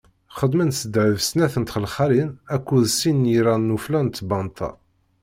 Xedmen s ddheb snat n txelxalin akked sin n yiran n ufella n tbanta.